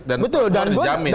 dan setelah itu udah jamin